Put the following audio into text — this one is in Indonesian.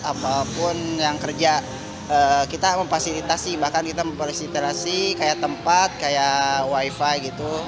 apapun yang kerja kita memfasilitasi bahkan kita memfasilitasi kayak tempat kayak wifi gitu